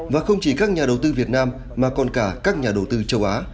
và không chỉ các nhà đầu tư việt nam mà còn cả các nhà đầu tư châu á